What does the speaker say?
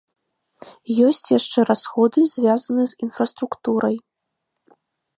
Ёсць яшчэ расходы, звязаныя з інфраструктурай.